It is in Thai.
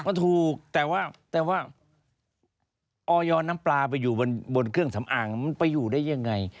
มันถูกแต่ว่าแต่ว่าออยน้ำปลาไปอยู่บนเครื่องสำอางมันไปอยู่ได้ยังไง